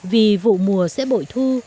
vì vụ mùa sẽ bội thu